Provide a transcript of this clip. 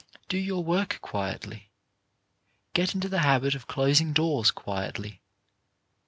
Do your work quietly. Get into the habit of closing doors quietly.